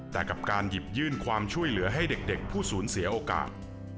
แต่กับการหยิบยื่นความช่วยเหลือให้เด็กผู้สูญเสียโอกาส